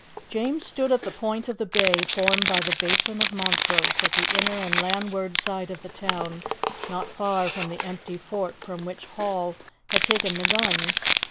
James stood at the point of the bay formed by the Basin of Montrose, at the inner and landward side of the town, not far from the empty fort from which Hall had taken the guns.